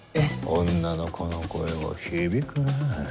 女の子の声は響くねぇ。